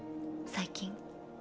最近。